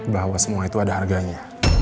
bahwa semua itu ada harganya